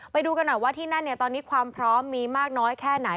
ไปดูกันหน่อยว่าที่นั่นเนี่ยตอนนี้ความพร้อมมีมากน้อยแค่ไหน